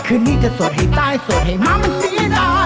คืนนี้เธอโสดให้ได้โสดให้มันไม่ได้